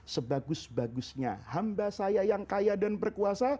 sebagus bagusnya hamba saya yang kaya dan berkuasa